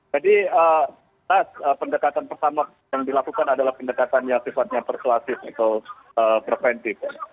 jadi tas pendekatan pertama yang dilakukan adalah pendekatan yang sifatnya persuasif atau preventif